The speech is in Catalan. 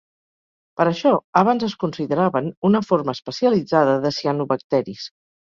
Per això, abans es consideraven una forma especialitzada de cianobacteris.